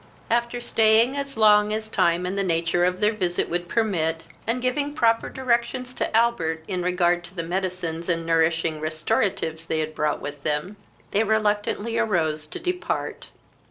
After staying as long as time and the nature of their visit would permit, and giving proper directions to Albert in regard to the medicines and nourishing restoratives they had brought with them, they reluctantly arose to depart.